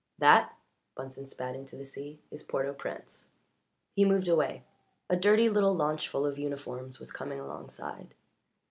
"That," Bunsen spat into the sea, "is Port au Prince." He moved away. A dirty little launch full of uniforms was coming alongside.